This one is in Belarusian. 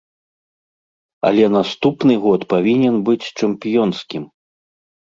Але наступны год павінен быць чэмпіёнскім!